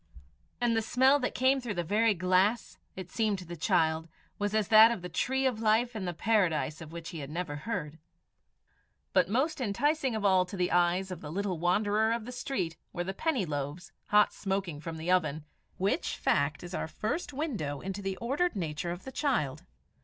And the smell that came through the very glass, it seemed to the child, was as that of the tree of life in the Paradise of which he had never heard. But most enticing of all to the eyes of the little wanderer of the street were the penny loaves, hot smoking from the oven which fact is our first window into the ordered nature of the child.